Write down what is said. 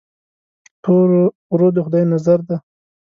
پر تورو غرو د خدای نظر دی.